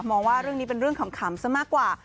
มองว่าเรื่องนี้เป็นเรื่องขำซะมากกว่า